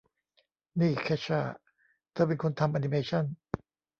นี่เคชช่า เธอเป็นคนทำแอนิเมชั่น